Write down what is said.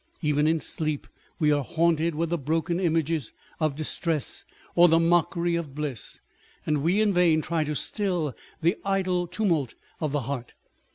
Even in sleep, we are haunted with the broken images of distress or the mockery of bliss, and we in vain try to still the idle tumult of the heart.